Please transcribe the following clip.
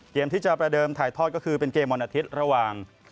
เกมที่จะประเดิมถ่ายทอดก็คือเป็นเกมวันอาทิตย์ระหว่าง